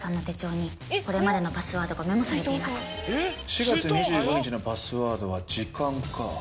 ４月２５日のパスワードは「じかん」か。